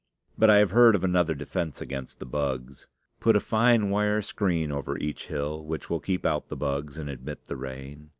But I have heard of another defense against the bugs. Put a fine wire screen over each hill, which will keep out the bugs and admit the rain.